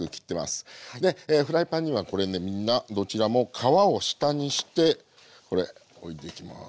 でフライパンにはこれねみんなどちらも皮を下にしてこれ置いていきます。